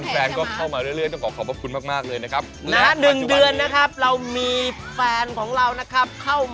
แฟนก็เข้ามาเรื่อยต้องขอขอบพระคุณมากเลยนะครับ